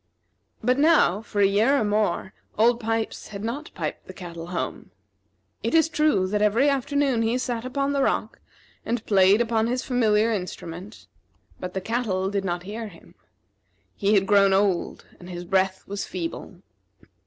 But now, for a year or more, Old Pipes had not piped the cattle home. It is true that every afternoon he sat upon the rock and played upon his familiar instrument; but the cattle did not hear him. He had grown old, and his breath was feeble.